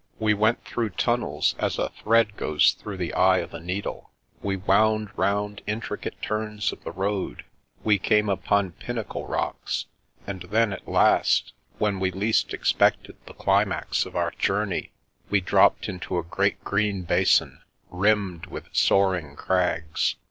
We went through tunnels as a thread goes through the eye of a needle; we wound round intri cate turns of the road; we came upon pinnacle rocks ; and then, at last, when we least expected the climax of our journey, we dropped into a great green basin, rimmed with soaring crags.